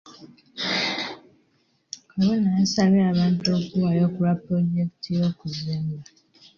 Kabona yasabye abantu okuwayo ku lwa pulojekiti y'okuzimba.